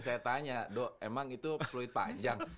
saya tanya dok emang itu fluid panjang